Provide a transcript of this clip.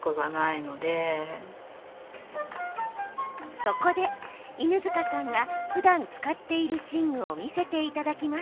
そこで、犬塚さんがふだん使っている寝具を見せていただきます。